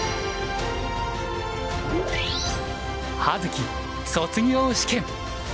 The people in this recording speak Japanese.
葉月卒業試験。